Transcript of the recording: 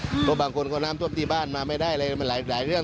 เพราะบางคนเขาน้ำท่วมที่บ้านมาไม่ได้อะไรมันหลายเรื่อง